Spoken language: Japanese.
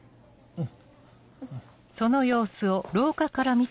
うん。